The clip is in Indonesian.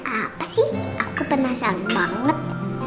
apa sih aku penasaran banget